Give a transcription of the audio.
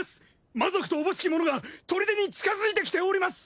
魔族とおぼしき者が砦に近づいてきております！